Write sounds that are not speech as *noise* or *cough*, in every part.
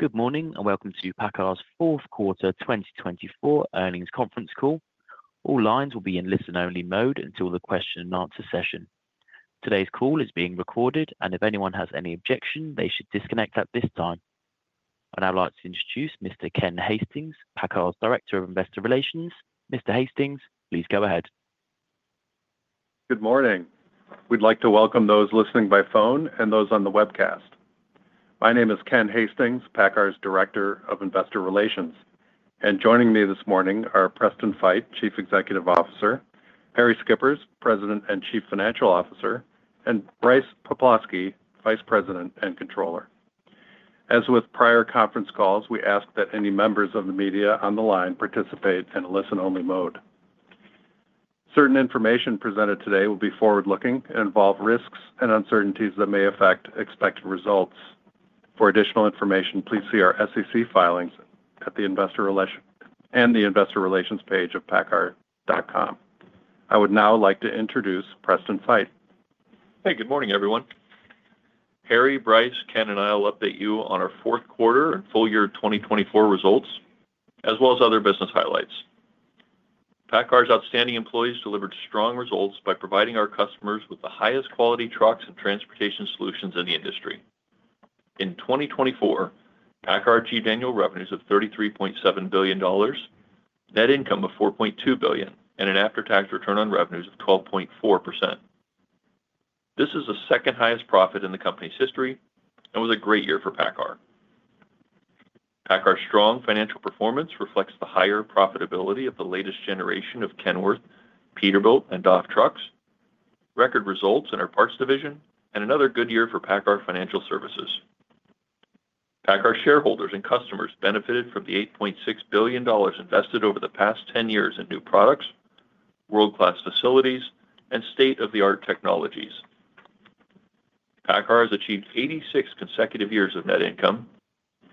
Good morning and welcome to PACCAR's fourth quarter 2024 earnings conference call. All lines will be in listen-only mode until the question-and-answer session. Today's call is being recorded, and if anyone has any objection, they should disconnect at this time. I'd now like to introduce Mr. Ken Hastings, PACCAR's Director of Investor Relations. Mr. Hastings, please go ahead. Good morning. We'd like to welcome those listening by phone and those on the webcast. My name is Ken Hastings, PACCAR's Director of Investor Relations, and joining me this morning are Preston Feight, Chief Executive Officer, Harrie Schippers, President and Chief Financial Officer, and Brice Poplawski, Vice President and Controller. As with prior conference calls, we ask that any members of the media on the line participate in listen-only mode. Certain information presented today will be forward-looking and involve risks and uncertainties that may affect expected results. For additional information, please see our SEC filings at the Investor Relations page of paccar.com. I would now like to introduce Preston Feight. Hey, good morning, everyone. Harrie, Brice, Ken, and I will update you on our fourth quarter and full year 2024 results, as well as other business highlights. PACCAR's outstanding employees delivered strong results by providing our customers with the highest quality trucks and transportation solutions in the industry. In 2024, PACCAR achieved annual revenues of $33.7 billion, net income of $4.2 billion, and an after-tax return on revenues of 12.4%. This is the second highest profit in the company's history and was a great year for PACCAR. PACCAR's strong financial performance reflects the higher profitability of the latest generation of Kenworth, Peterbilt, and DAF trucks, record results in our parts division, and another good year for PACCAR Financial Services. PACCAR shareholders and customers benefited from the $8.6 billion invested over the past 10 years in new products, world-class facilities, and state-of-the-art technologies. PACCAR has achieved 86 consecutive years of net income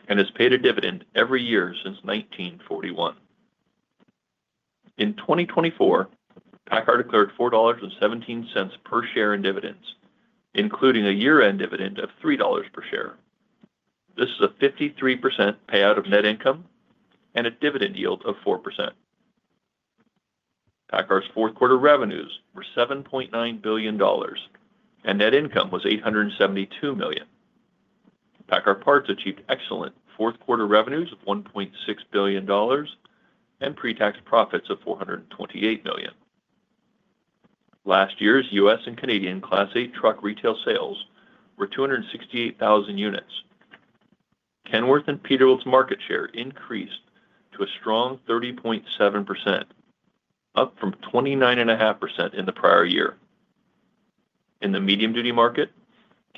and has paid a dividend every year since 1941. In 2024, PACCAR declared $4.17 per share in dividends, including a year-end dividend of $3 per share. This is a 53% payout of net income and a dividend yield of 4%. PACCAR's fourth quarter revenues were $7.9 billion, and net income was $872 million. PACCAR Parts achieved excellent fourth quarter revenues of $1.6 billion and pre-tax profits of $428 million. Last year's U.S. and Canadian Class 8 truck retail sales were 268,000 units. Kenworth and Peterbilt's market share increased to a strong 30.7%, up from 29.5% in the prior year. In the medium-duty market,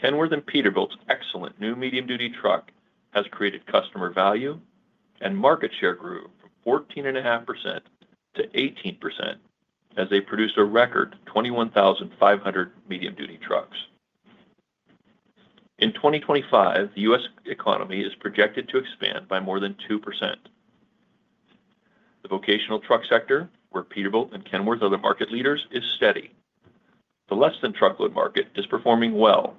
Kenworth and Peterbilt's excellent new medium-duty truck has created customer value and market share grew from 14.5% to 18% as they produced a record 21,500 medium-duty trucks. In 2025, the U.S. economy is projected to expand by more than 2%. The vocational truck sector, where Peterbilt and Kenworth are the market leaders, is steady. The less-than-truckload market is performing well,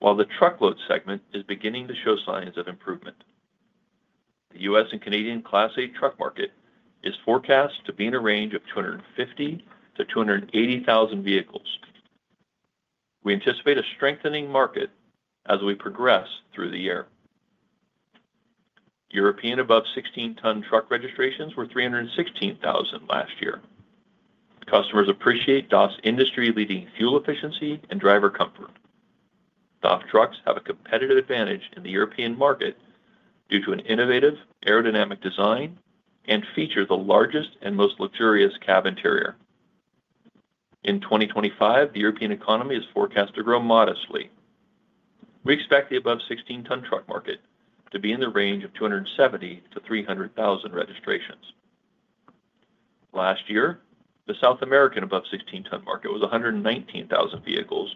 while the truckload segment is beginning to show signs of improvement. The U.S. and Canadian Class 8 truck market is forecast to be in a range of 250,000-280,000 vehicles. We anticipate a strengthening market as we progress through the year. European above-16-ton truck registrations were 316,000 last year. Customers appreciate DAF's industry-leading fuel efficiency and driver comfort. DAF trucks have a competitive advantage in the European market due to an innovative aerodynamic design and feature the largest and most luxurious cab interior. In 2025, the European economy is forecast to grow modestly. We expect the above-16-ton truck market to be in the range of 270,000-300,000 registrations. Last year, the South American above-16-ton market was 119,000 vehicles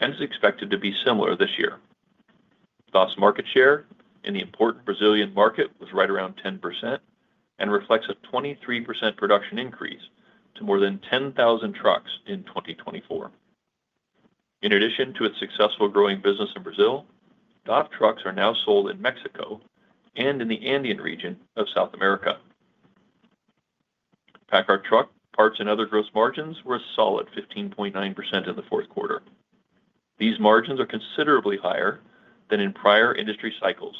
and is expected to be similar this year. DAF's market share in the important Brazilian market was right around 10% and reflects a 23% production increase to more than 10,000 trucks in 2024. In addition to its successful growing business in Brazil, DAF trucks are now sold in Mexico and in the Andean region of South America. PACCAR Parts and other gross margins were a solid 15.9% in the fourth quarter. These margins are considerably higher than in prior industry cycles,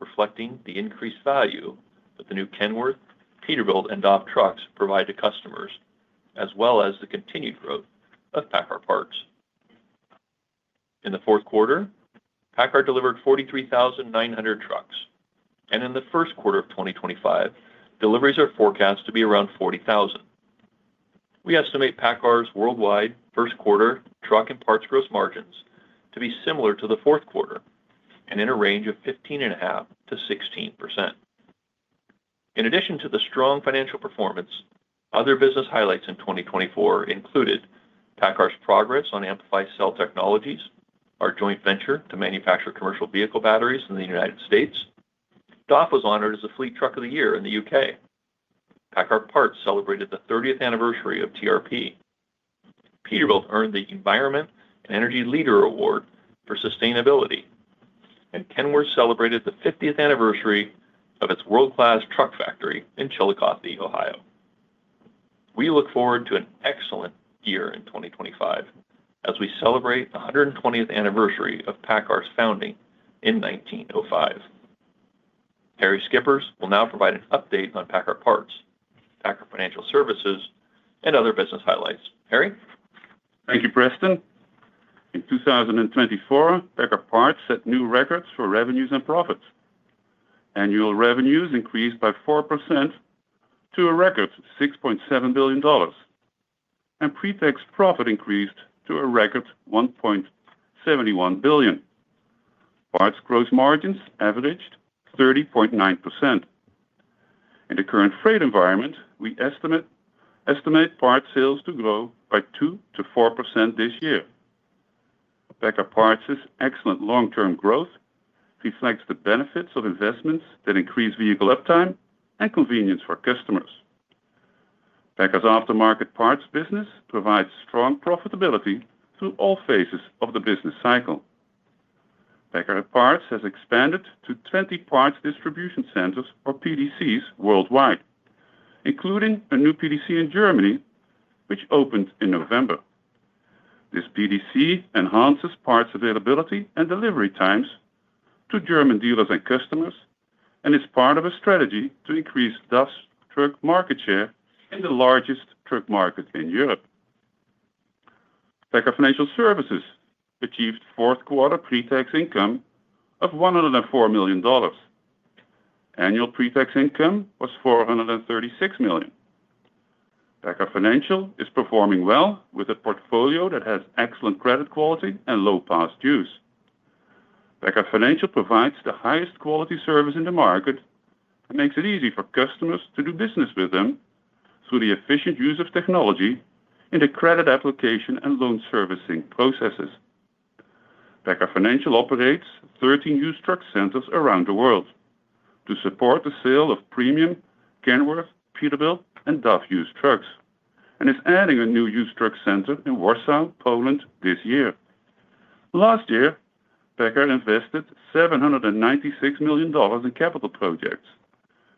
reflecting the increased value that the new Kenworth, Peterbilt, and DAF trucks provide to customers, as well as the continued growth of PACCAR Parts. In the fourth quarter, PACCAR delivered 43,900 trucks, and in the first quarter of 2025, deliveries are forecast to be around 40,000. We estimate PACCAR's worldwide first quarter truck and parts gross margins to be similar to the fourth quarter and in a range of 15.5%-16%. In addition to the strong financial performance, other business highlights in 2024 included PACCAR's progress on Amplify Cell Technologies, our joint venture to manufacture commercial vehicle batteries in the United States. DAF was honored as the Fleet Truck of the Year in the U.K. PACCAR Parts celebrated the 30th anniversary of TRP. Peterbilt earned the Environment and Energy Leader Award for sustainability, and Kenworth celebrated the 50th anniversary of its world-class truck factory in Chillicothe, Ohio. We look forward to an excellent year in 2025 as we celebrate the 120th anniversary of PACCAR's founding in 1905. Harrie Schippers will now provide an update on PACCAR Parts, PACCAR Financial Services, and other business highlights. Harrie? Thank you, Preston. In 2024, PACCAR Parts set new records for revenues and profits. Annual revenues increased by 4% to a record $6.7 billion, and pre-tax profit increased to a record $1.71 billion. Parts gross margins averaged 30.9%. In the current freight environment, we estimate parts sales to grow by 2%-4% this year. PACCAR Parts' excellent long-term growth reflects the benefits of investments that increase vehicle uptime and convenience for customers. PACCAR's aftermarket parts business provides strong profitability through all phases of the business cycle. PACCAR Parts has expanded to 20 parts distribution centers, or PDCs, worldwide, including a new PDC in Germany, which opened in November. This PDC enhances parts availability and delivery times to German dealers and customers and is part of a strategy to increase DAF's truck market share in the largest truck market in Europe. PACCAR Financial Services achieved fourth quarter pre-tax income of $104 million. Annual pre-tax income was $436 million. PACCAR Financial is performing well with a portfolio that has excellent credit quality and low past dues. PACCAR Financial provides the highest quality service in the market and makes it easy for customers to do business with them through the efficient use of technology in the credit application and loan servicing processes. PACCAR Financial operates 13 used truck centers around the world to support the sale of premium Kenworth, Peterbilt, and DAF used trucks and is adding a new used truck center in Warsaw, Poland, this year. Last year, PACCAR invested $796 million in capital projects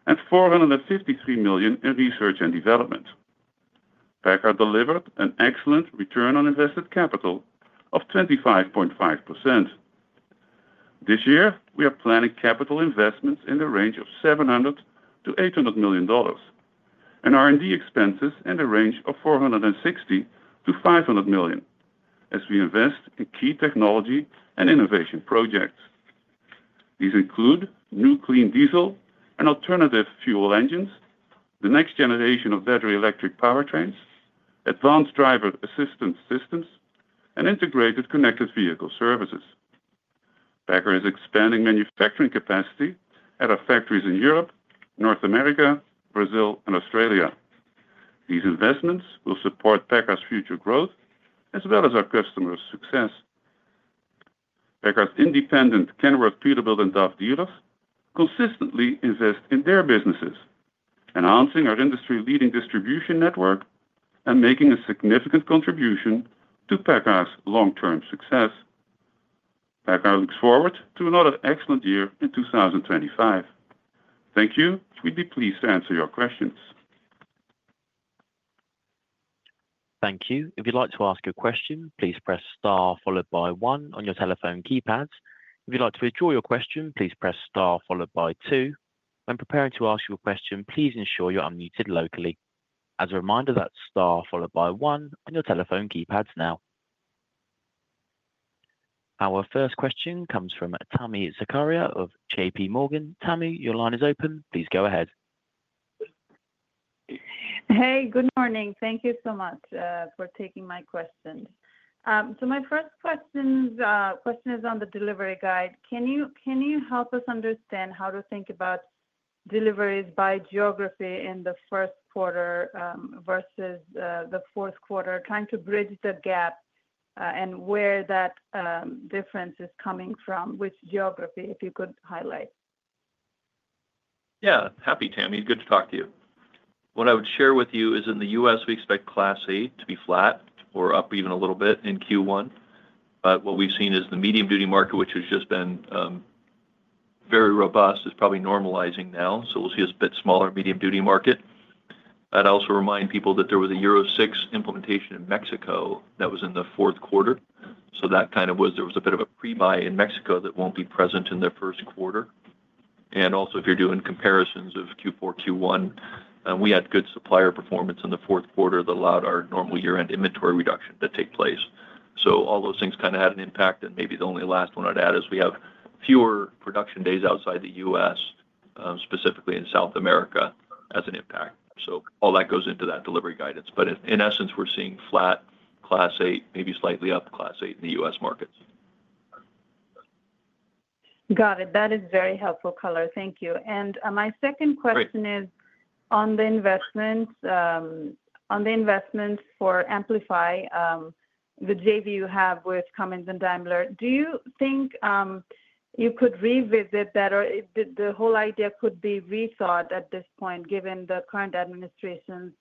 and $453 million in research and development. PACCAR delivered an excellent return on invested capital of 25.5%. This year, we are planning capital investments in the range of $700 million-$800 million and R&D expenses in the range of $460 million-$500 million as we invest in key technology and innovation projects. These include new clean diesel and alternative fuel engines, the next generation of battery-electric powertrains, advanced driver assistance systems, and integrated connected vehicle services. PACCAR is expanding manufacturing capacity at our factories in Europe, North America, Brazil, and Australia. These investments will support PACCAR's future growth as well as our customers' success. PACCAR's independent Kenworth, Peterbilt, and DAF dealers consistently invest in their businesses, enhancing our industry-leading distribution network and making a significant contribution to PACCAR's long-term success. PACCAR looks forward to another excellent year in 2025. Thank you. We'd be pleased to answer your questions. Thank you. If you'd like to ask a question, please press star followed by one on your telephone keypads. If you'd like to withdraw your question, please press star followed by two. When preparing to ask your question, please ensure you're unmuted locally. As a reminder, that's star followed by one on your telephone keypads now. Our first question comes from Tami Zakaria of JPMorgan. Tami, your line is open. Please go ahead. Hey, good morning. Thank you so much for taking my questions. So my first question is on the delivery guide. Can you help us understand how to think about deliveries by geography in the first quarter versus the fourth quarter, trying to bridge the gap and where that difference is coming from, which geography, if you could highlight? Yeah, happy, Tami. Good to talk to you. What I would share with you is in the U.S., we expect Class 8 to be flat or up even a little bit in Q1. But what we've seen is the medium-duty market, which has just been very robust, is probably normalizing now. So we'll see a bit smaller medium-duty market. I'd also remind people that there was a Euro VI implementation in Mexico that was in the fourth quarter. So that kind of was a bit of a pre-buy in Mexico that won't be present in the first quarter. And also, if you're doing comparisons of Q4, Q1, we had good supplier performance in the fourth quarter that allowed our normal year-end inventory reduction to take place. So all those things kind of had an impact. Maybe the only last one I'd add is we have fewer production days outside the U.S., specifically in South America, as an impact. All that goes into that delivery guidance. In essence, we're seeing flat Class 8, maybe slightly up Class 8 in the U.S. markets. Got it. That is very helpful, color. Thank you, and my second question is on the investments for Amplify, the JV you have with Cummins and Daimler. Do you think you could revisit that, or the whole idea could be rethought at this point, given the current administration's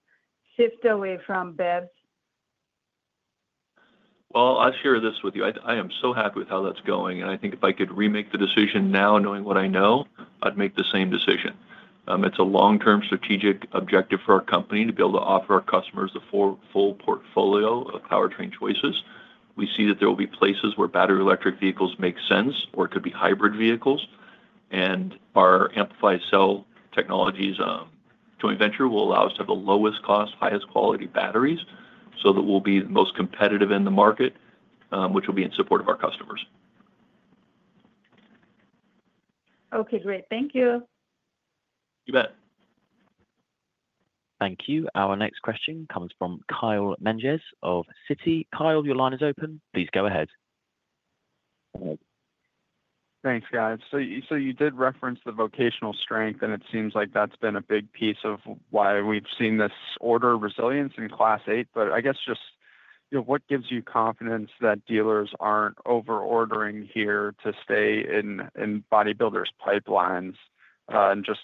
shift away from BEVs? I'll share this with you. I am so happy with how that's going. I think if I could remake the decision now, knowing what I know, I'd make the same decision. It's a long-term strategic objective for our company to be able to offer our customers the full portfolio of powertrain choices. We see that there will be places where battery-electric vehicles make sense, or it could be hybrid vehicles. Our Amplify Cell Technologies joint venture will allow us to have the lowest cost, highest quality batteries so that we'll be the most competitive in the market, which will be in support of our customers. Okay, great. Thank you. You bet. Thank you. Our next question comes from Kyle Menges of Citi. Kyle, your line is open. Please go ahead. Thanks, guys. So you did reference the vocational strength, and it seems like that's been a big piece of why we've seen this order resilience in Class 8. But I guess just what gives you confidence that dealers aren't over-ordering here to stay in bodybuilders' pipelines? And just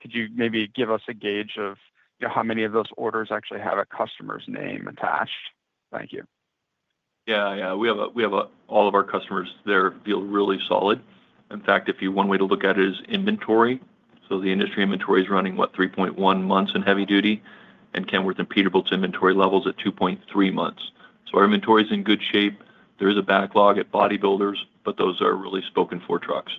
could you maybe give us a gauge of how many of those orders actually have a customer's name attached? Thank you. Yeah, yeah. We have all of our customers there feel really solid. In fact, one way to look at it is inventory. So the industry inventory is running, what, 3.1 months in heavy duty, and Kenworth and Peterbilt's inventory levels at 2.3 months. So our inventory is in good shape. There is a backlog at bodybuilders, but those are really spoken-for trucks.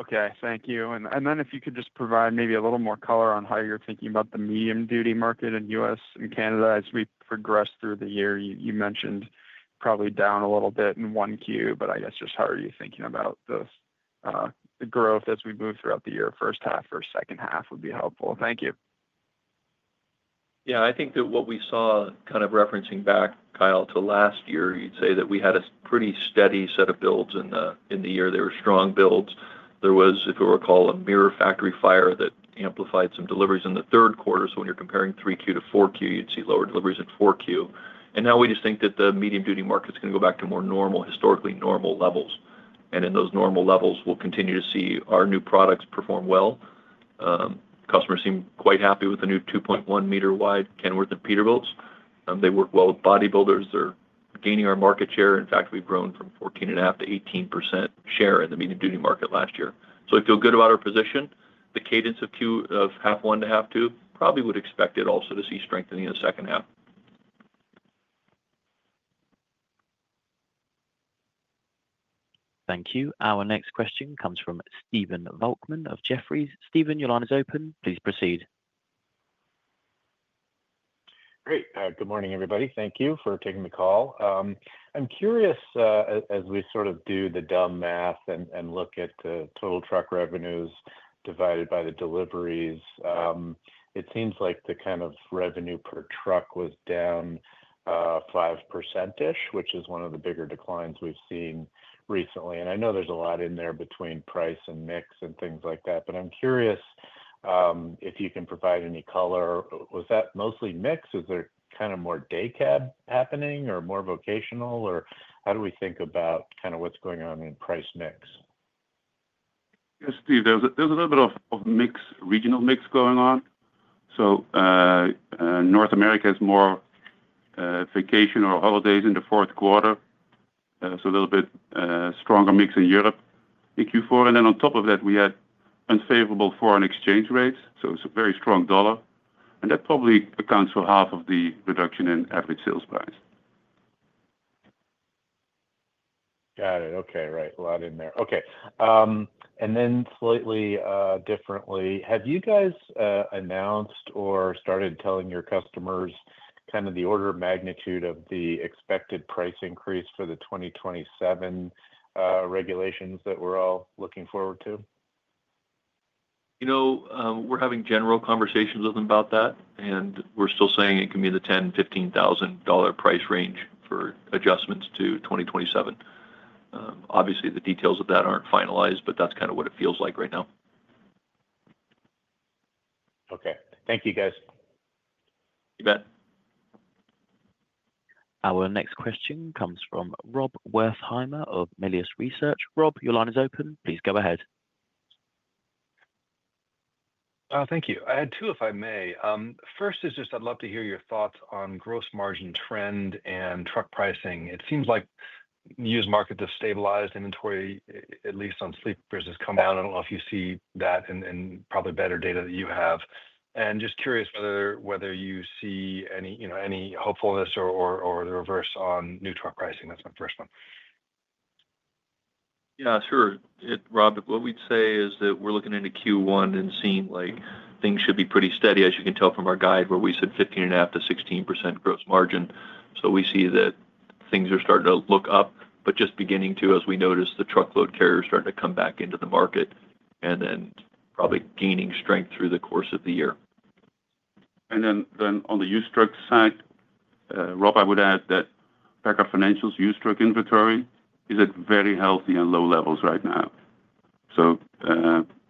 Okay, thank you. And then if you could just provide maybe a little more color on how you're thinking about the medium-duty market in the U.S. and Canada as we progress through the year. You mentioned probably down a little bit in 1Q, but I guess just how are you thinking about the growth as we move throughout the year? First half or second half would be helpful. Thank you. Yeah, I think that what we saw, kind of referencing back, Kyle, to last year, you'd say that we had a pretty steady set of builds in the year. There were strong builds. There was, if you recall, a mirror factory fire that amplified some deliveries in the third quarter. So when you're comparing 3Q to 4Q, you'd see lower deliveries in 4Q. And now we just think that the medium-duty market's going to go back to more normal, historically normal levels. And in those normal levels, we'll continue to see our new products perform well. Customers seem quite happy with the new 2.1-meter-wide Kenworth and Peterbilts. They work well with bodybuilders. They're gaining our market share. In fact, we've grown from 14.5%-18% share in the medium-duty market last year. So I feel good about our position. The cadence of half one to half two, probably would expect it also to see strengthening in the second half. Thank you. Our next question comes from Stephen Volkmann of Jefferies. Stephen, your line is open. Please proceed. Great. Good morning, everybody. Thank you for taking the call. I'm curious, as we sort of do the dumb math and look at total truck revenues divided by the deliveries, it seems like the kind of revenue per truck was down 5%-ish, which is one of the bigger declines we've seen recently. And I know there's a lot in there between price and mix and things like that, but I'm curious if you can provide any color. Was that mostly mix? Is there kind of more daycab happening or more vocational? Or how do we think about kind of what's going on in price mix? Yes, Steve. There's a little bit of mixed, regional mix going on. So North America is more vacation or holidays in the fourth quarter. So a little bit stronger mix in Europe in Q4. And then on top of that, we had unfavorable foreign exchange rates. So it's a very strong dollar. And that probably accounts for half of the reduction in average sales price. Got it. Okay, right. A lot in there. Okay. And then slightly differently, have you guys announced or started telling your customers kind of the order of magnitude of the expected price increase for the 2027 regulations that we're all looking forward to? You know, we're having general conversations with them about that, and we're still saying it can be in the $10,000-$15,000 price range for adjustments to 2027. Obviously, the details of that aren't finalized, but that's kind of what it feels like right now. Okay. Thank you, guys. You bet. Our next question comes from Rob Wertheimer of Melius Research. Rob, your line is open. Please go ahead. Thank you. I had two, if I may. First is just I'd love to hear your thoughts on gross margin trend and truck pricing. It seems like used markets have stabilized. Inventory, at least on sleepers, has come down. I don't know if you see that and probably better data that you have. And just curious whether you see any hopefulness or the reverse on new truck pricing. That's my first one. Yeah, sure. Rob, what we'd say is that we're looking into Q1 and seeing things should be pretty steady, as you can tell from our guide, where we said 15.5%-16% gross margin. So we see that things are starting to look up, but just beginning to, as we notice, the truckload carriers starting to come back into the market and then probably gaining strength through the course of the year. And then on the used truck side, Rob, I would add that PACCAR Financial's used truck inventory is at very healthy and low levels right now.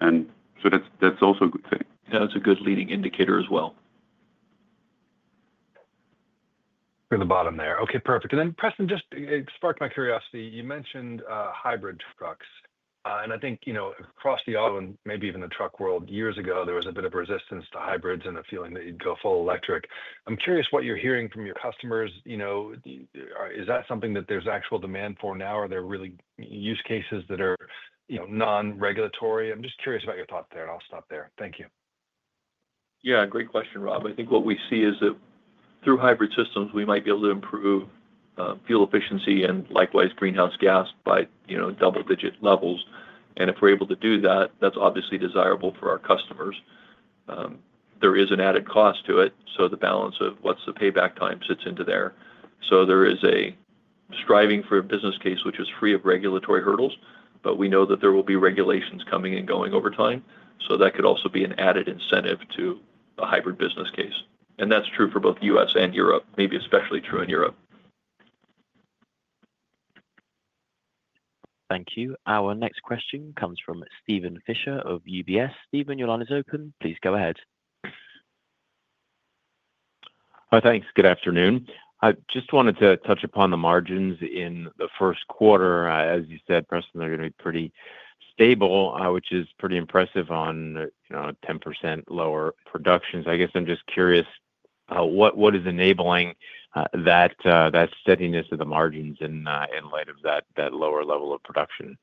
And so that's also a good thing. Yeah, that's a good leading indicator as well. From the bottom there. Okay, perfect. And then, Preston, just sparked my curiosity. You mentioned hybrid trucks. And I think across the auto and maybe even the truck world, years ago, there was a bit of resistance to hybrids and a feeling that you'd go full electric. I'm curious what you're hearing from your customers. Is that something that there's actual demand for now? Are there really use cases that are non-regulatory? I'm just curious about your thoughts there, and I'll stop there. Thank you. Yeah, great question, Rob. I think what we see is that through hybrid systems, we might be able to improve fuel efficiency and likewise greenhouse gas by double-digit levels. And if we're able to do that, that's obviously desirable for our customers. There is an added cost to it. So the balance of what's the payback time sits into there. So there is a striving for a business case which is free of regulatory hurdles, but we know that there will be regulations coming and going over time. So that could also be an added incentive to a hybrid business case. And that's true for both U.S. and Europe, maybe especially true in Europe. Thank you. Our next question comes from Steven Fisher of UBS. Steven, your line is open. Please go ahead. Hi, thanks. Good afternoon. I just wanted to touch upon the margins in the first quarter. As you said, Preston, they're going to be pretty stable, which is pretty impressive on 10% lower productions. I guess I'm just curious, what is enabling that steadiness of the margins in light of that lower level of production?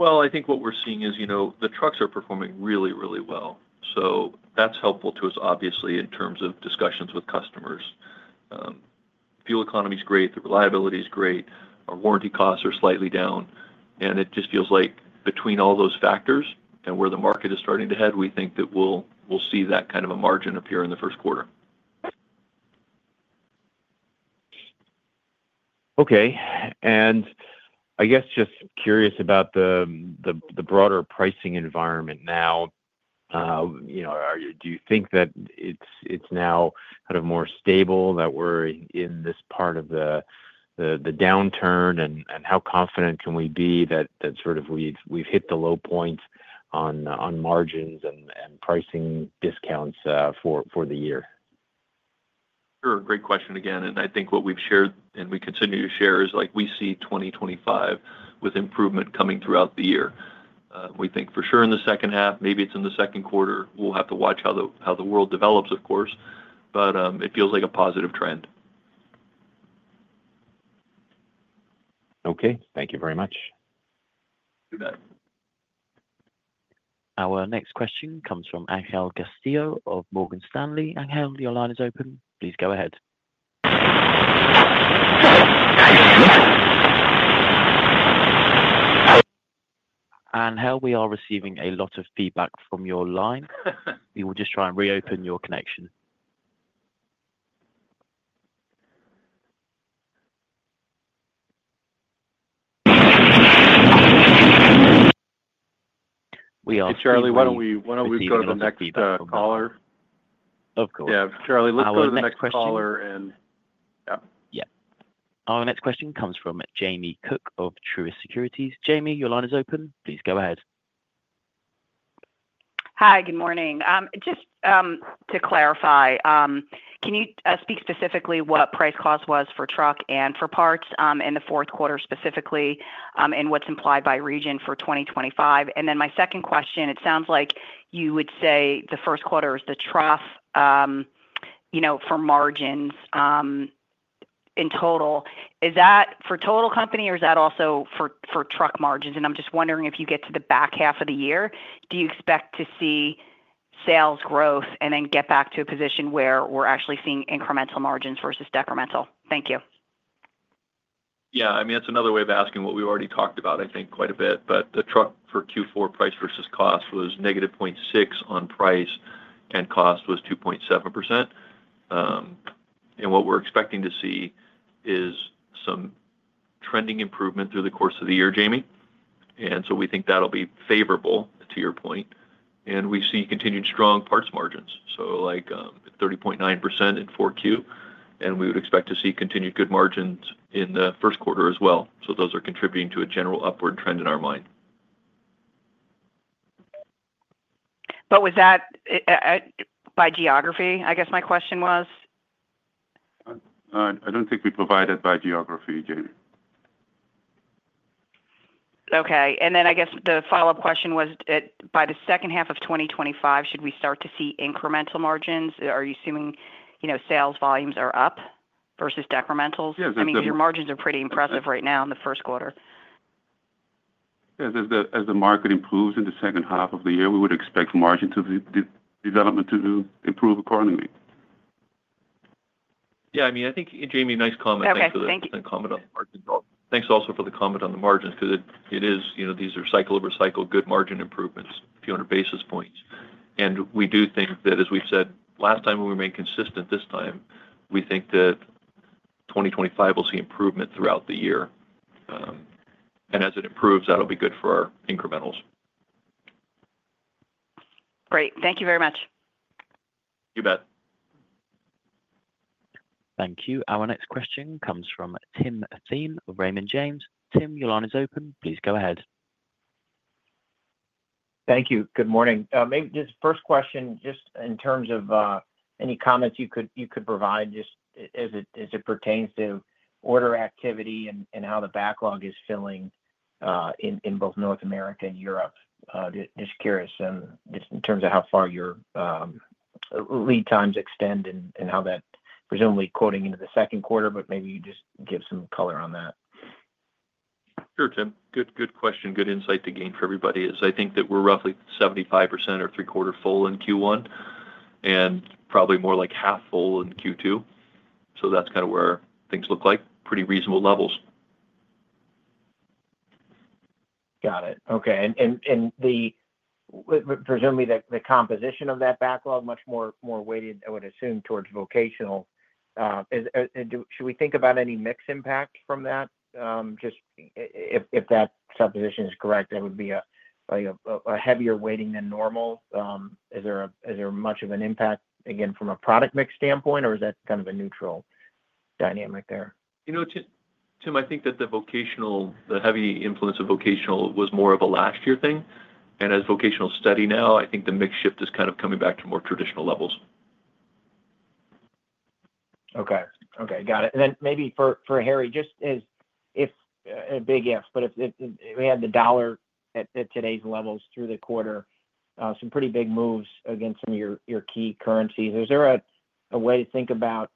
I think what we're seeing is the trucks are performing really, really well. So that's helpful to us, obviously, in terms of discussions with customers. Fuel economy is great. The reliability is great. Our warranty costs are slightly down. And it just feels like between all those factors and where the market is starting to head, we think that we'll see that kind of a margin appear in the first quarter. Okay. And I guess just curious about the broader pricing environment now. Do you think that it's now kind of more stable that we're in this part of the downturn? And how confident can we be that sort of we've hit the low point on margins and pricing discounts for the year? Sure. Great question again, and I think what we've shared and we continue to share is we see 2025 with improvement coming throughout the year. We think for sure in the second half, maybe it's in the second quarter. We'll have to watch how the world develops, of course, but it feels like a positive trend. Okay. Thank you very much. You bet. Our next question comes from Angel Castillo of Morgan Stanley. Angel, your line is open. Please go ahead. Angel, we are receiving a lot of feedback from your line. We will just try and reopen your connection. We are. *crosstalk* Hey, Charlie, why don't we go to the next caller? Of course. Yeah, Charlie, let's go to the next caller. I'll open the next question. And yeah. Our next question comes from Jamie Cook of Truist Securities. Jamie, your line is open. Please go ahead. Hi, good morning. Just to clarify, can you speak specifically what price/cost was for truck and for parts in the fourth quarter specifically and what's implied by region for 2025? And then my second question, it sounds like you would say the first quarter is the trough for margins in total. Is that for total company or is that also for truck margins? And I'm just wondering if you get to the back half of the year, do you expect to see sales growth and then get back to a position where we're actually seeing incremental margins versus decremental? Thank you. Yeah. I mean, that's another way of asking what we've already talked about, I think, quite a bit, but the truck for Q4 price versus cost was -0.6 on price, and cost was 2.7%. What we're expecting to see is some trending improvement through the course of the year, Jamie, and so we think that'll be favorable to your point. We see continued strong parts margins, so like 30.9% in 4Q, and we would expect to see continued good margins in the first quarter as well. Those are contributing to a general upward trend in our mind. But was that by geography, I guess my question was? I don't think we provide that by geography, Jamie. Okay. And then I guess the follow-up question was, by the second half of 2025, should we start to see incremental margins? Are you assuming sales volumes are up versus decrementals? I mean, your margins are pretty impressive right now in the first quarter. Yeah. As the market improves in the second half of the year, we would expect margin development to improve accordingly. Yeah. I mean, I think, Jamie, nice comment. Thanks for that comment on the margins. Thanks also for the comment on the margins because it is these are cycle-over-cycle good margin improvements, a few hundred basis points. And we do think that, as we've said last time, we remain consistent this time. We think that 2025 will see improvement throughout the year. And as it improves, that'll be good for our incrementals. Great. Thank you very much. You bet. Thank you. Our next question comes from Tim Thein of Raymond James. Tim, your line is open. Please go ahead. Thank you. Good morning. Maybe just first question, just in terms of any comments you could provide just as it pertains to order activity and how the backlog is filling in both North America and Europe. Just curious in terms of how far your lead times extend and how that presumably going into the second quarter, but maybe you just give some color on that. Sure, Tim. Good question. Good insight to gain for everybody is I think that we're roughly 75% or three-quarters full in Q1 and probably more like half full in Q2. So that's kind of where things look like. Pretty reasonable levels. Got it. Okay. And presumably the composition of that backlog, much more weighted, I would assume, towards vocational. Should we think about any mix impact from that? Just if that supposition is correct, that would be a heavier weighting than normal. Is there much of an impact, again, from a product mix standpoint, or is that kind of a neutral dynamic there? You know, Tim, I think that the vocational, the heavy influence of vocational was more of a last-year thing, and as vocational's steady now, I think the mix shift is kind of coming back to more traditional levels. Okay. Okay. Got it. And then maybe for Harrie, just as if a big if, but if we had the dollar at today's levels through the quarter, some pretty big moves against some of your key currencies. Is there a way to think about,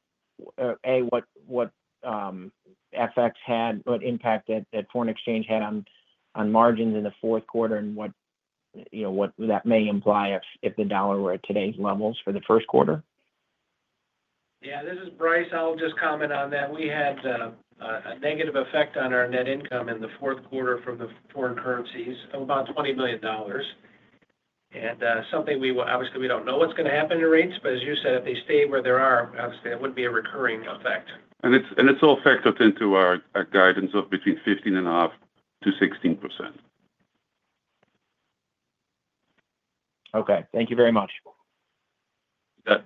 a, what FX had, what impact that foreign exchange had on margins in the fourth quarter and what that may imply if the dollar were at today's levels for the first quarter? Yeah. This is Brice. I'll just comment on that. We had a negative effect on our net income in the fourth quarter from the foreign currencies of about $20 million, and something we obviously don't know what's going to happen to rates, but as you said, if they stay where they are, obviously, that would be a recurring effect. It's all factored into our guidance of between 15.5%-16%. Okay. Thank you very much. You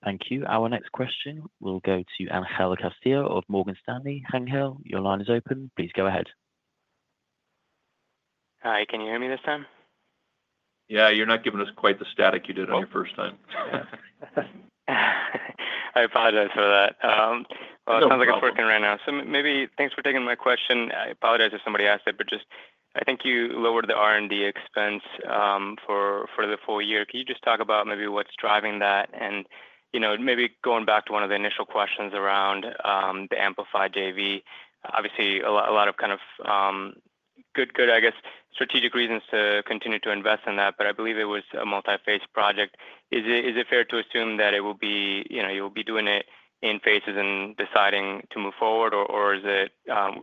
bet. Thank you. Our next question will go to Angel Castillo of Morgan Stanley. Angel, your line is open. Please go ahead. Hi. Can you hear me this time? Yeah. You're not giving us quite the static you did on your first time. I apologize for that. It sounds like it's working right now. Maybe thanks for taking my question. I apologize if somebody asked it, but just I think you lowered the R&D expense for the full year. Can you just talk about maybe what's driving that? Maybe going back to one of the initial questions around the Amplify JV, obviously, a lot of kind of good, I guess, strategic reasons to continue to invest in that, but I believe it was a multi-phase project. Is it fair to assume that it will be you will be doing it in phases and deciding to move forward, or is it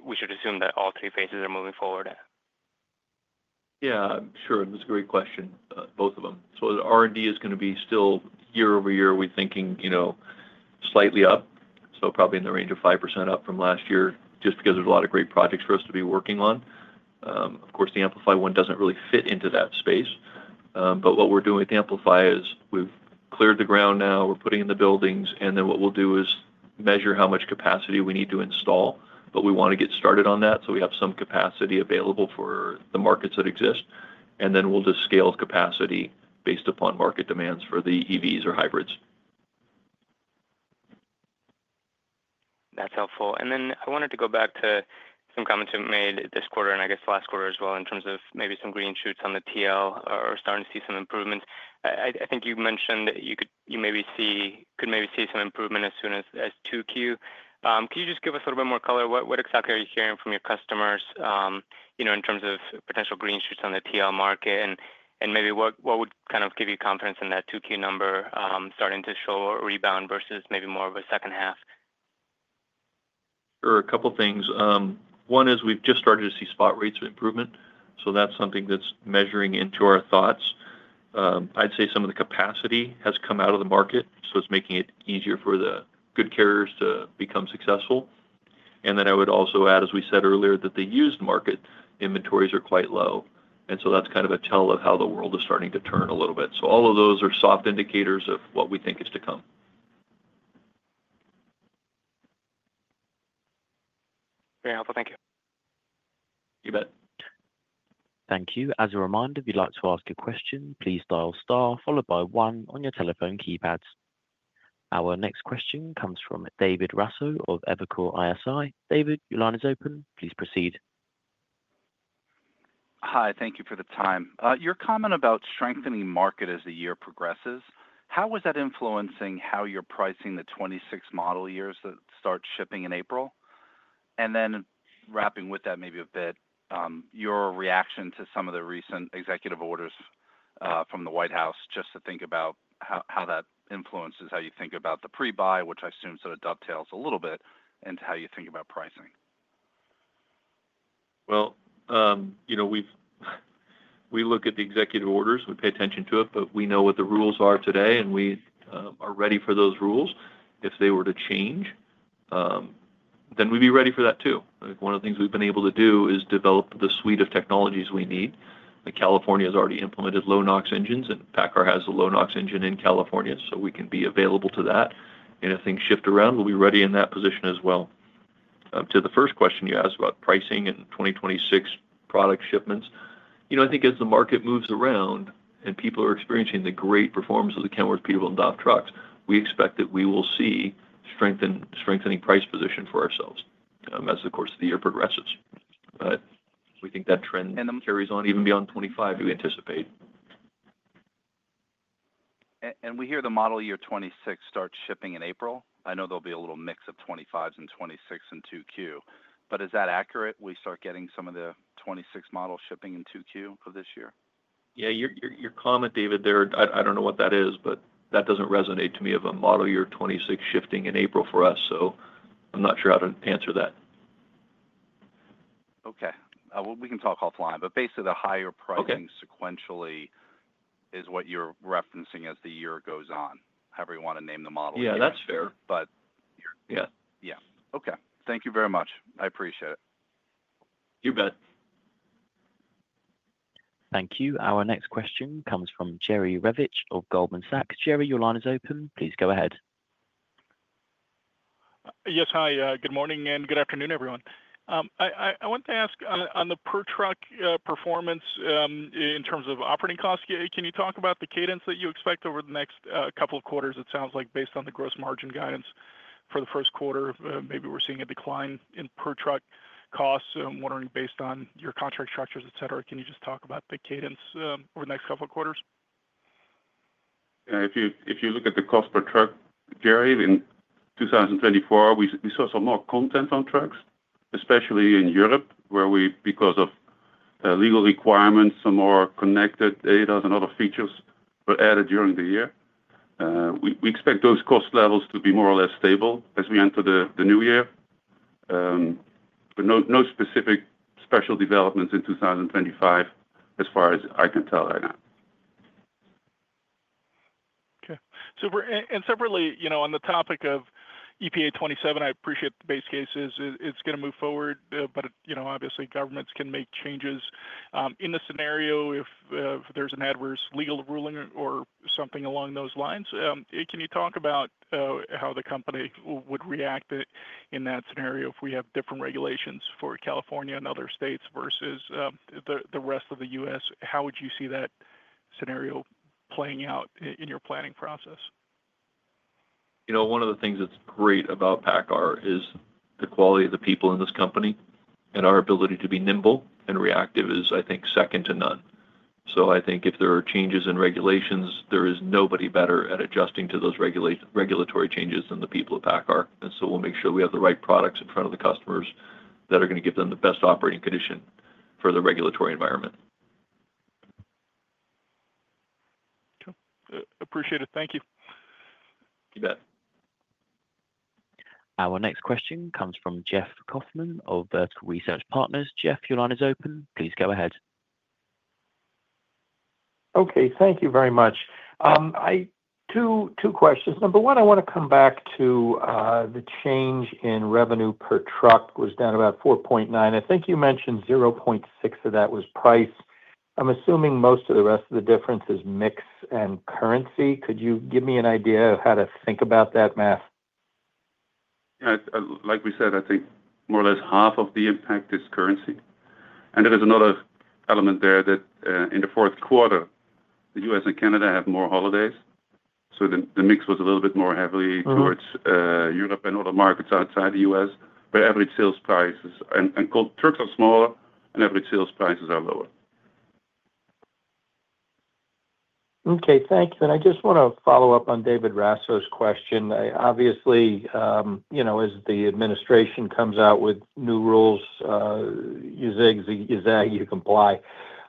we should assume that all three phases are moving forward? Yeah. Sure. That's a great question. Both of them. The R&D is going to be still year-over-year, we're thinking slightly up. Probably in the range of 5% up from last year just because there's a lot of great projects for us to be working on. Of course, the Amplify one doesn't really fit into that space. What we're doing with the Amplify is we've cleared the ground now. We're putting in the buildings. Then what we'll do is measure how much capacity we need to install, but we want to get started on that so we have some capacity available for the markets that exist. We'll just scale capacity based upon market demands for the EVs or hybrids. That's helpful, and then I wanted to go back to some comments you've made this quarter and I guess last quarter as well in terms of maybe some green shoots on the TL or starting to see some improvements. I think you mentioned you could maybe see some improvement as soon as 2Q. Can you just give us a little bit more color? What exactly are you hearing from your customers in terms of potential green shoots on the TL market? And maybe what would kind of give you confidence in that 2Q number starting to show a rebound versus maybe more of a second half? Sure. A couple of things. One is we've just started to see spot rates of improvement. So that's something that's measuring into our thoughts. I'd say some of the capacity has come out of the market. So it's making it easier for the good carriers to become successful. And then I would also add, as we said earlier, that the used market inventories are quite low. And so that's kind of a tell of how the world is starting to turn a little bit. So all of those are soft indicators of what we think is to come. Very helpful. Thank you. You bet. Thank you. As a reminder, if you'd like to ask a question, please dial star followed by one on your telephone keypads. Our next question comes from David Raso of Evercore ISI. David, your line is open. Please proceed. Hi. Thank you for the time. Your comment about strengthening market as the year progresses, how is that influencing how you're pricing the 2026 model years that start shipping in April? And then wrapping with that maybe a bit, your reaction to some of the recent executive orders from the White House, just to think about how that influences how you think about the pre-buy, which I assume sort of dovetails a little bit into how you think about pricing. We look at the executive orders. We pay attention to it, but we know what the rules are today, and we are ready for those rules. If they were to change, then we'd be ready for that too. One of the things we've been able to do is develop the suite of technologies we need. California has already implemented Low NOx engines, and PACCAR has a Low NOx engine in California, so we can be available to that. If things shift around, we'll be ready in that position as well. To the first question you asked about pricing and 2026 product shipments, I think as the market moves around and people are experiencing the great performance of the Kenworth, Peterbilt, and DAF trucks, we expect that we will see strengthening price position for ourselves as the course of the year progresses. But we think that trend carries on even beyond 2025, we anticipate. We hear the model year 2026 starts shipping in April. I know there'll be a little mix of 2025s and 2026s in 2Q. But is that accurate? We start getting some of the 2026 model shipping in 2Q for this year? Yeah. Your comment, David, there, I don't know what that is, but that doesn't resonate to me of a model year 2026 shifting in April for us. So I'm not sure how to answer that. Okay. We can talk offline, but basically the higher pricing sequentially is what you're referencing as the year goes on. However you want to name the model year. Yeah, that's fair. But yeah. Okay. Thank you very much. I appreciate it. You bet. Thank you. Our next question comes from Jerry Revich of Goldman Sachs. Jerry, your line is open. Please go ahead. Yes. Hi. Good morning and good afternoon, everyone. I want to ask on the per-truck performance in terms of operating costs, can you talk about the cadence that you expect over the next couple of quarters? It sounds like based on the gross margin guidance for the first quarter, maybe we're seeing a decline in per-truck costs. I'm wondering based on your contract structures, etc., can you just talk about the cadence over the next couple of quarters? If you look at the cost per truck, Jerry, in 2024, we saw some more content on trucks, especially in Europe where we, because of legal requirements, some more connected data and other features were added during the year. We expect those cost levels to be more or less stable as we enter the new year. But no specific special developments in 2025 as far as I can tell right now. Okay. And separately, on the topic of EPA 2027, I appreciate the base cases. It's going to move forward, but obviously governments can make changes. In the scenario, if there's an adverse legal ruling or something along those lines, can you talk about how the company would react in that scenario if we have different regulations for California and other states versus the rest of the U.S.? How would you see that scenario playing out in your planning process? One of the things that's great about PACCAR is the quality of the people in this company. And our ability to be nimble and reactive is, I think, second to none. So I think if there are changes in regulations, there is nobody better at adjusting to those regulatory changes than the people at PACCAR. And so we'll make sure we have the right products in front of the customers that are going to give them the best operating condition for the regulatory environment. Appreciate it. Thank you. You bet. Our next question comes from Jeff Kauffman of Vertical Research Partners. Jeff, your line is open. Please go ahead. Okay. Thank you very much. Two questions. Number one, I want to come back to the change in revenue per truck was down about 4.9%. I think you mentioned 0.6% of that was price. I'm assuming most of the rest of the difference is mix and currency. Could you give me an idea of how to think about that math? Like we said, I think more or less half of the impact is currency. And there is another element there that in the fourth quarter, the U.S. and Canada had more holidays. So the mix was a little bit more heavily towards Europe and other markets outside the U.S. But average sales prices and trucks are smaller, and average sales prices are lower. Okay. Thank you. And I just want to follow up on David Raso's question. Obviously, as the administration comes out with new rules, you say you comply.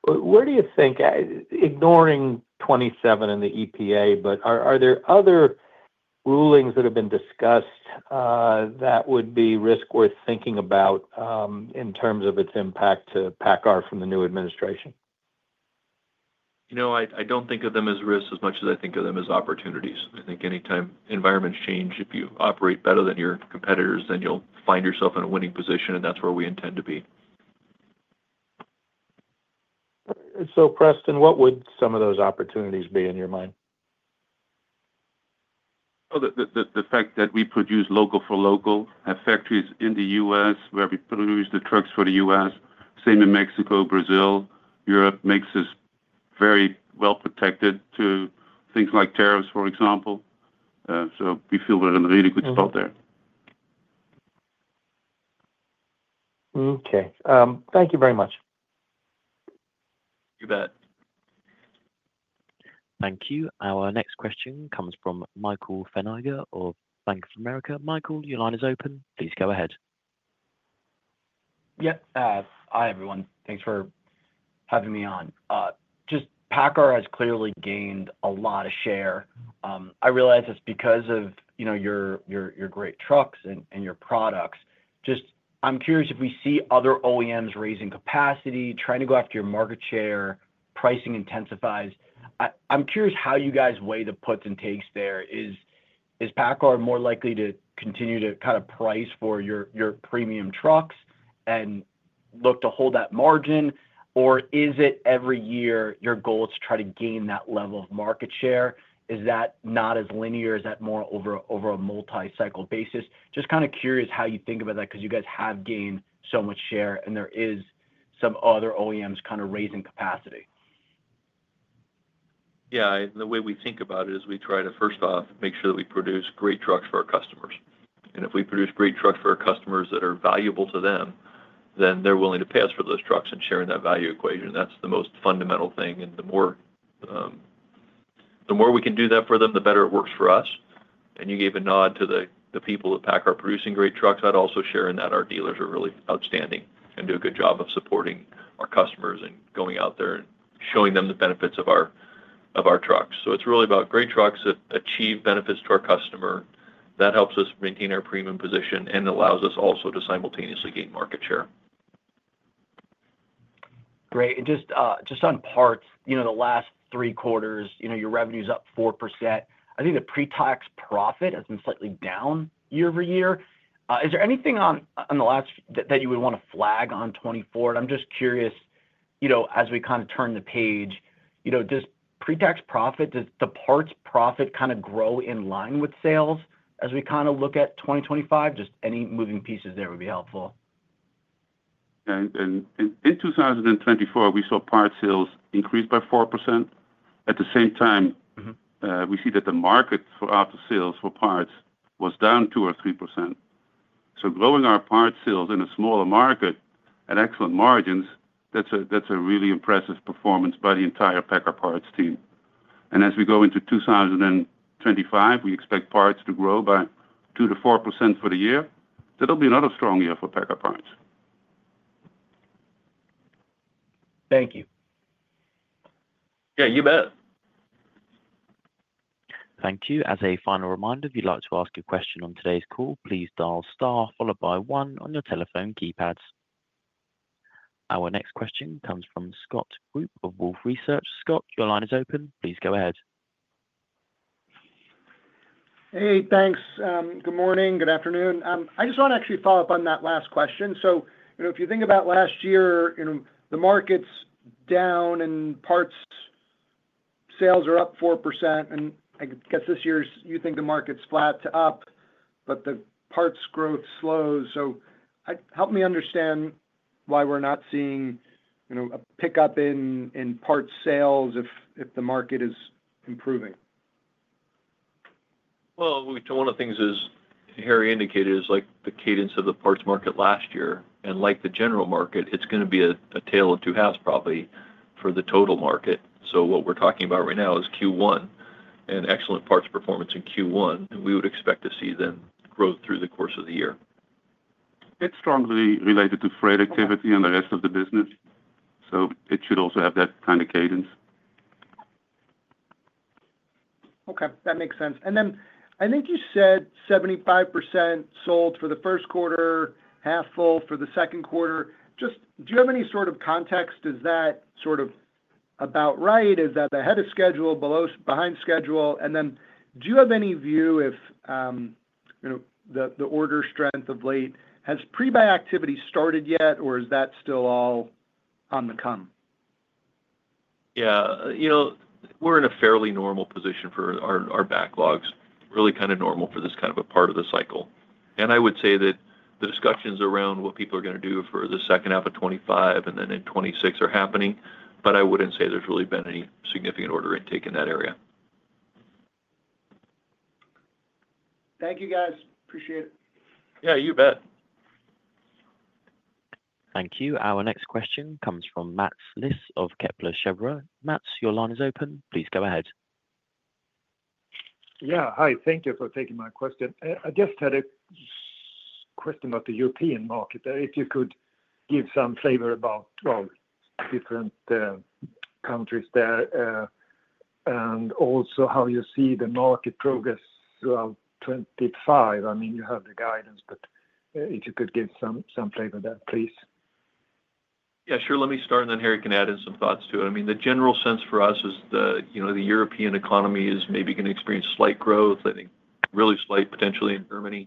Where do you think, ignoring 2027 and the EPA, but are there other rulings that have been discussed that would be risk worth thinking about in terms of its impact to PACCAR from the new administration? I don't think of them as risks as much as I think of them as opportunities. I think anytime environments change, if you operate better than your competitors, then you'll find yourself in a winning position, and that's where we intend to be. So Preston, what would some of those opportunities be in your mind? The fact that we could use local for local, have factories in the U.S. where we produce the trucks for the U.S., same in Mexico, Brazil, Europe, makes us very well protected to things like tariffs, for example, so we feel we're in a really good spot there. Okay. Thank you very much. You bet. Thank you. Our next question comes from Michael Feniger of Bank of America. Michael, your line is open. Please go ahead. Yep. Hi, everyone. Thanks for having me on. Just, PACCAR has clearly gained a lot of share. I realize it's because of your great trucks and your products. Just, I'm curious if we see other OEMs raising capacity, trying to go after your market share, pricing intensifies. I'm curious how you guys weigh the puts and takes there. Is PACCAR more likely to continue to kind of price for your premium trucks and look to hold that margin, or is it every year your goal is to try to gain that level of market share? Is that not as linear? Is that more over a multi-cycle basis? Just kind of curious how you think about that because you guys have gained so much share and there are some other OEMs kind of raising capacity. Yeah. The way we think about it is we try to, first off, make sure that we produce great trucks for our customers. And if we produce great trucks for our customers that are valuable to them, then they're willing to pay us for those trucks and share in that value equation. That's the most fundamental thing. And the more we can do that for them, the better it works for us. And you gave a nod to the people at PACCAR producing great trucks. I'd also share in that our dealers are really outstanding and do a good job of supporting our customers and going out there and showing them the benefits of our trucks. So it's really about great trucks that achieve benefits to our customer. That helps us maintain our premium position and allows us also to simultaneously gain market share. Great. And just on parts, the last three quarters, your revenue is up 4%. I think the pre-tax profit has been slightly down year-over-year. Is there anything on the last that you would want to flag on 2024? And I'm just curious, as we kind of turn the page, does pre-tax profit, does the parts profit kind of grow in line with sales as we kind of look at 2025? Just any moving pieces there would be helpful. In 2024, we saw parts sales increase by 4%. At the same time, we see that the market for after-sales for parts was down 2%-3%, so growing our parts sales in a smaller market at excellent margins, that's a really impressive performance by the entire PACCAR Parts team, and as we go into 2025, we expect parts to grow by 2%-4% for the year. That'll be another strong year for PACCAR Parts. Thank you. Yeah. You bet. Thank you. As a final reminder, if you'd like to ask a question on today's call, please dial star followed by one on your telephone keypads. Our next question comes from Scott Group of Wolfe Research. Scott, your line is open. Please go ahead. Hey. Thanks. Good morning. Good afternoon. I just want to actually follow up on that last question. So if you think about last year, the market's down and Parts sales are up 4%. And I guess this year you think the market's flat to up, but the parts growth slows. So help me understand why we're not seeing a pickup in parts sales if the market is improving. One of the things is, Harrie indicated, is the cadence of the parts market last year. Like the general market, it's going to be a tale of two halves probably for the total market. What we're talking about right now is Q1 and excellent parts performance in Q1. We would expect to see them grow through the course of the year. It's strongly related to freight activity and the rest of the business, so it should also have that kind of cadence. Okay. That makes sense. And then I think you said 75% sold for the first quarter, half full for the second quarter. Just do you have any sort of context? Is that sort of about right? Is that ahead of schedule, behind schedule? And then do you have any view if the order strength of late has pre-buy activity started yet, or is that still all on the come? Yeah. We're in a fairly normal position for our backlogs. Really kind of normal for this kind of a part of the cycle, and I would say that the discussions around what people are going to do for the second half of 2025 and then in 2026 are happening, but I wouldn't say there's really been any significant order intake in that area. Thank you, guys. Appreciate it. Yeah. You bet. Thank you. Our next question comes from Mats Liss of Kepler Cheuvreux. Mats, your line is open. Please go ahead. Yeah. Hi. Thank you for taking my question. I just had a question about the European market. If you could give some flavor about different countries there and also how you see the market progress throughout 2025. I mean, you have the guidance, but if you could give some flavor there, please. Yeah. Sure. Let me start, and then Harrie can add in some thoughts to it. I mean, the general sense for us is the European economy is maybe going to experience slight growth, I think really slight potentially in Germany.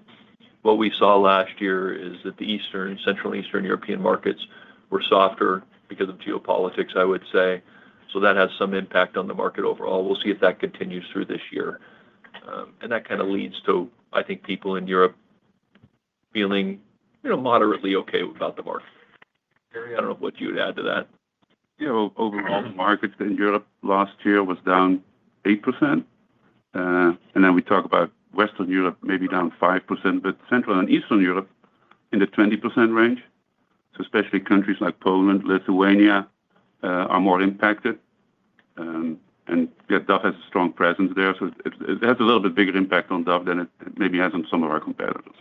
What we saw last year is that the Eastern and Central Eastern European markets were softer because of geopolitics, I would say. So that has some impact on the market overall. We'll see if that continues through this year, and that kind of leads to, I think, people in Europe feeling moderately okay about the market. Harrie, I don't know what you would add to that. Yeah. Overall, the markets in Europe last year was down 8%. And then we talk about Western Europe, maybe down 5%, but Central and Eastern Europe in the 20% range. So especially countries like Poland, Lithuania are more impacted. And DAF has a strong presence there. So it has a little bit bigger impact on DAF than it maybe has on some of our competitors.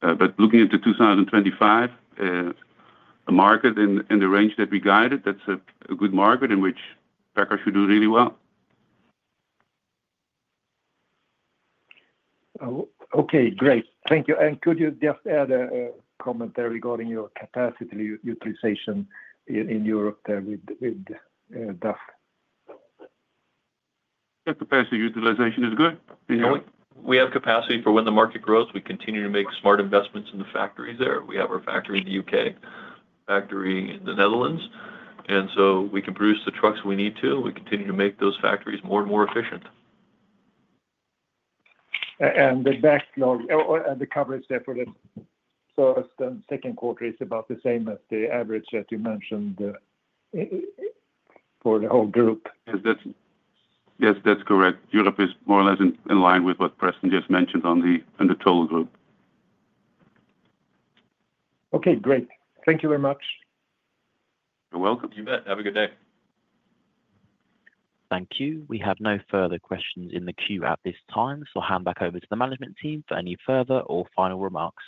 But looking into 2025, the market in the range that we guided, that's a good market in which PACCAR should do really well. Okay. Great. Thank you. And could you just add a comment there regarding your capacity utilization in Europe there with DAF? The capacity utilization is good. We have capacity for when the market grows. We continue to make smart investments in the factories there. We have our factory in the U.K., factory in the Netherlands. And so we can produce the trucks we need to. We continue to make those factories more and more efficient. The backlog, the coverage there for the first and second quarter is about the same as the average that you mentioned for the whole group. Yes. That's correct. Europe is more or less in line with what Preston just mentioned on the total group. Okay. Great. Thank you very much. You're welcome. You bet. Have a good day. Thank you. We have no further questions in the queue at this time. So I'll hand back over to the management team for any further or final remarks.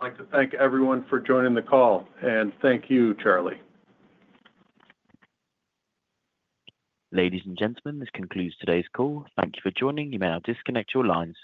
I'd like to thank everyone for joining the call. And thank you, Charlie. Ladies and gentlemen, this concludes today's call. Thank you for joining. You may now disconnect your lines.